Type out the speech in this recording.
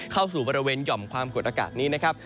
เข้าสู่บริเวณหย่อมความกดอากาศนี้นะครับ